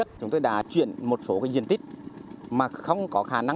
dùng tích thiết kế